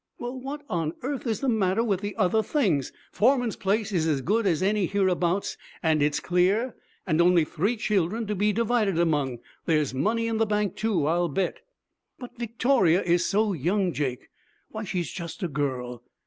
Well, what on earth is the matter with the other things? Forman's place is as good as any hereabouts, and it's clear, and only three children to be divided among. There's money in the bank, too, I'll bet.' 'But Victoria is so young, Jake. Why, she's just a girl!'